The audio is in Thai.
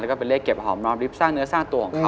แล้วก็เป็นเลขเก็บหอมน้อมริบสร้างเนื้อสร้างตัวของเขา